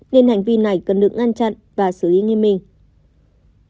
nên hành vi này cần được ngăn chặn và xử lý nghiêm minh